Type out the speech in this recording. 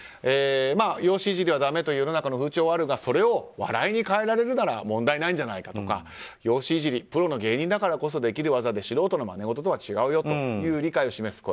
容姿いじりはだめという風潮はあるがそれを笑いに変えられるなら問題ないんじゃないかとか容姿いじりプロの芸人だからこそできる技で素人のまねごととは違うという理解を示す声。